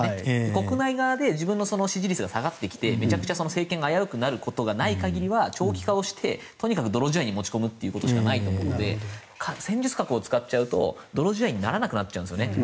国内側で自分の支持率が下がってきてめちゃくちゃ政権が危うくなることがない限りは長期化してとにかく泥仕合に持ち込むということしかないと思うので戦術核を使っちゃうと泥仕合にならなくなっちゃうんですよね。